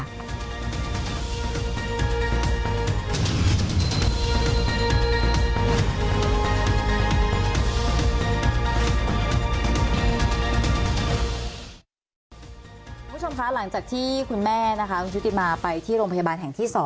คุณผู้ชมคะหลังจากที่คุณแม่นะคะคุณชุติมาไปที่โรงพยาบาลแห่งที่๒